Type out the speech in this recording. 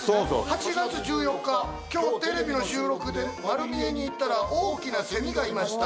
「８月１４日今日テレビの収録でまる見えに行ったら大きなセミがいました。